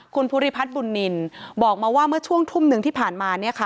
คุณภูริพัฒน์บุญนินบอกมาว่าเมื่อช่วงทุ่มหนึ่งที่ผ่านมาเนี่ยค่ะ